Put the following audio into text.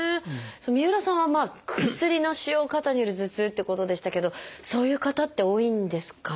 三浦さんは薬の使用過多による頭痛ってことでしたけどそういう方って多いんですか？